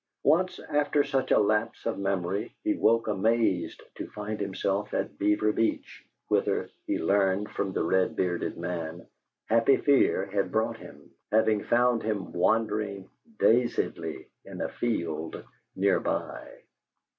Once, after such a lapse of memory, he woke amazed to find himself at Beaver Beach, whither, he learned from the red bearded man, Happy Fear had brought him, having found him wandering dazedly in a field near by.